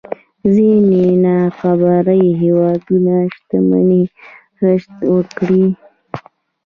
ځينې نابرابرۍ هېوادونو شتمنۍ رشد وکړي.